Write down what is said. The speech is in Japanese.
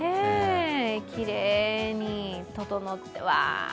きれいに、整って、うわ！